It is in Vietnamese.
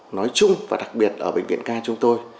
nói chung và đặc biệt ở bệnh viện ca chúng tôi